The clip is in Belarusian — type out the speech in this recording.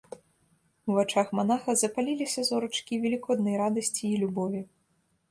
У вачах манаха запаліліся зорачкі велікоднай радасці і любові.